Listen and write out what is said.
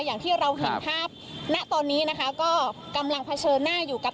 อย่างที่เราเห็นภาพณตอนนี้นะคะก็กำลังเผชิญหน้าอยู่กับ